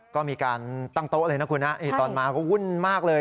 ก็มีการตั้งโต๊ะเลยนะคุณนะตอนมาก็วุ่นมากเลย